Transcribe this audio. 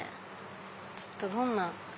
ちょっとどんな。